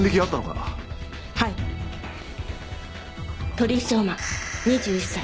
鳥居翔真２１歳。